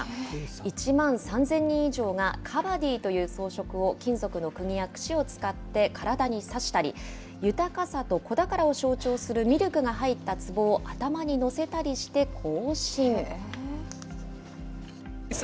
１万３０００人以上が、カバディという装飾を金属の串やくぎを使って体に刺したり、豊かさと子宝を象徴するミルクが入ったつぼを頭に載せたりして行